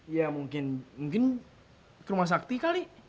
ya mungkin mungkin ke rumah sakti kali